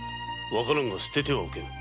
分からぬが捨ててはおけぬ。